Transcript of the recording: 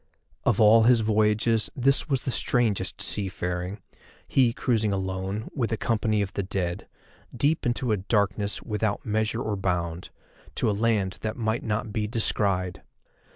Of all his voyages this was the strangest seafaring, he cruising alone, with a company of the dead, deep into a darkness without measure or bound, to a land that might not be descried.